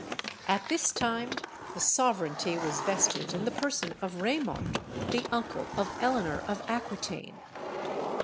At this time the sovereignty was vested in the person of Raymond, the uncle of Eleanor of Aquitaine.